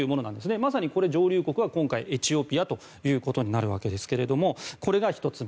まさに今回、上流国は今回、エチオピアということになるわけですけどこれが１つ目。